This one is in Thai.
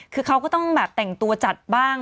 คือเขาก็ต้องแบบแต่งตัวจัดบ้าง